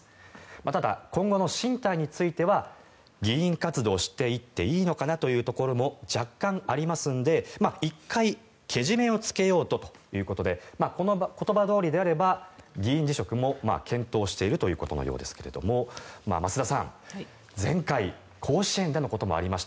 ただ、今後の進退については議員活動をしていっていいのかなというところも若干ありますんで１回けじめをつけようとということでこの言葉どおりであれば議員辞職も検討しているということのようですが増田さん、前回甲子園でのこともありました。